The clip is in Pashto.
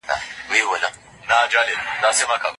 وراره يې ډېر کوچنی و.